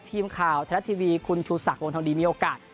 ทีมข่าวไทยรัฐทีวีคุณชูศักดิวงทองดีมีโอกาส